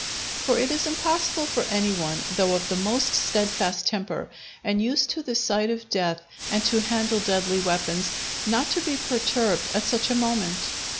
For it is impossible for any one, though of the most steadfast temper and used to the sight of death and to handle deadly weapons, not to be perturbed at such a moment.